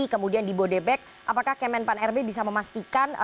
kemudian di bodebek apakah kemen pan rb bisa memastikan